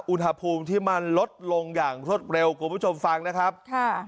อุณหภูมิที่มันลดลงอย่างรวดเร็วคุณผู้ชมฟังนะครับค่ะ